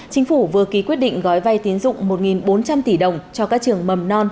chính phủ vừa ký quyết định gói vay tiến dụng một bốn trăm linh tỷ đồng cho các trường mầm non